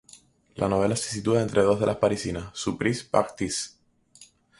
La novela se sitúa entre dos de las parisinas "surprise-parties".